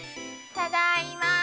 ただいま。